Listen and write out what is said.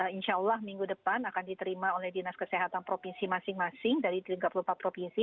insya allah minggu depan akan diterima oleh dinas kesehatan provinsi masing masing dari tiga puluh empat provinsi